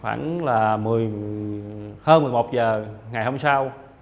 khoảng là hơn một mươi một h ngày hôm sau